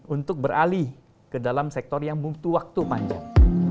untuk beralih ke dalam sektor yang butuh waktu panjang